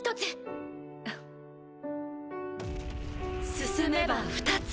進めば２つ。